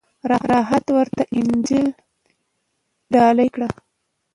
راهب ورته انجیل ډالۍ کړ.